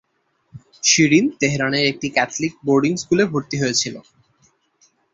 শিরিন তেহরানের একটি Catholic boarding স্কুলে ভর্তি হয়েছিল।